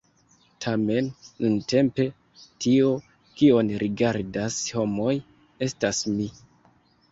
Tamen, nuntempe, tio, kion rigardas homoj, estas mi!